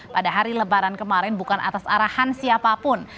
pada hari lebaran kemarin bukan atas arahan siapapun